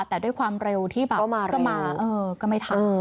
แต่ด้วยความเร็วที่แบบก็มาก็ไม่ทัน